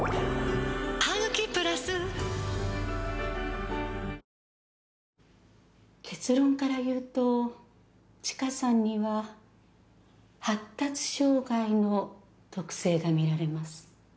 「ハグキプラス」結論から言うと知花さんには発達障害の特性が見られます。